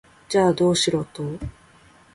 じゃあ、どうしろと？